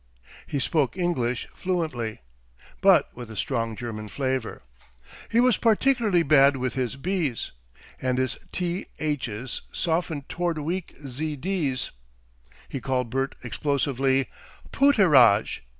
He spoke English fluently, but with a strong German flavour. He was particularly bad with his "b's," and his "th's" softened towards weak "z'ds." He called Bert explosively, "Pooterage."